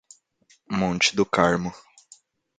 Monte do Carmo